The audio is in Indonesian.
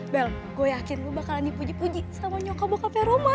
bel gue yakin gue bakalan dipuji puji sama nyoka bapak p a roman